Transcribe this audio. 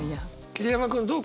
桐山君どう？